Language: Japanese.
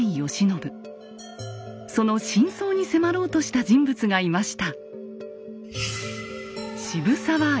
その真相に迫ろうとした人物がいました。